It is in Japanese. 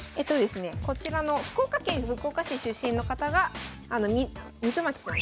こちらの福岡県福岡市出身の方が水町さん。